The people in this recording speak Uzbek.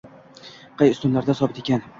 qay ustunlarda sobit ekan